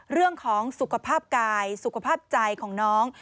เรื่องของสุขภาพกายสุขภาพใจของน้อง